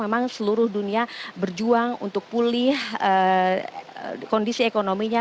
memang seluruh dunia berjuang untuk pulih kondisi ekonominya